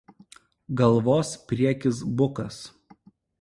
Galvos priekis bukas.